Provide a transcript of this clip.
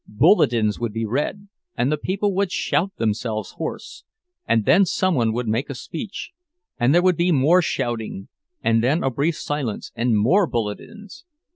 Bulletins would be read, and the people would shout themselves hoarse—and then some one would make a speech, and there would be more shouting; and then a brief silence, and more bulletins.